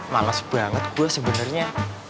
malas banget gue sebenernya